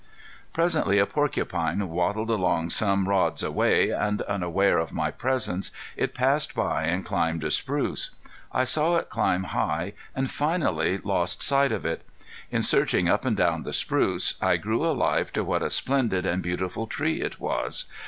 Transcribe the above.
Presently a porcupine waddled along some rods away, and unaware of my presence it passed by and climbed a spruce. I saw it climb high and finally lost sight of it. In searching up and down this spruce I grew alive to what a splendid and beautiful tree it was.